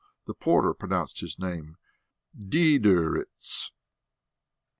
The porter pronounced the name "Dridirits."